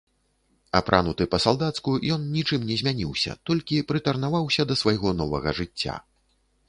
Апрануты па-салдацку, ён нічым не змяніўся, толькі прытарнаваўся да свайго новага жыцця.